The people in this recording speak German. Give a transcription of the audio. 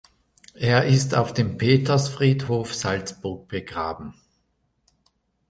Er ist auf dem Petersfriedhof Salzburg begraben.